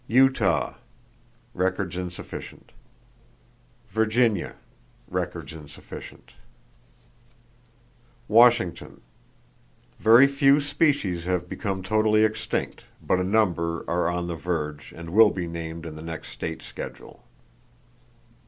Utah: Records insufficient. Virginia: Records insufficient. Washington: Very few species have become totally extinct, but a number are on the verge, and will be named in the next state schedule.